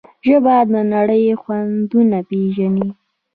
ژبه د نړۍ خوندونه پېژني.